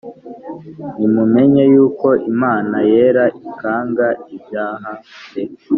nimumenye yuko imana yera ikanga ibyaha pe !